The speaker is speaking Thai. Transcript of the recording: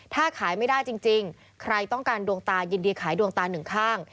ถ้าขายไม่ได้จริงใครต้องการดวงตายินดีขายดวงตาหนึ่งข้าง